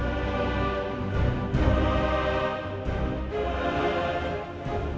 buktiin kalau aku salah